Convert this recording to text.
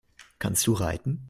Kannst du reiten?